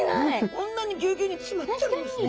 こんなにぎゅうぎゅうに詰まってるんですね。